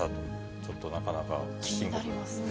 ちょっとなかなか深刻です。